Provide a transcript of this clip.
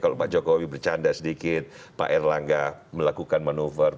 kalau pak jokowi bercanda sedikit pak erlangga melakukan manuver